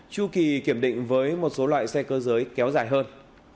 chu kỳ kiểm định với một số loại xe cơ giới kéo dài hơn